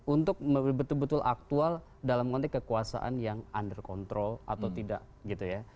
untuk betul betul aktual dalam konteks kekuasaan yang under control atau tidak gitu ya